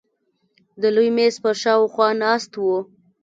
د لوی مېز پر شاوخوا ناست وو.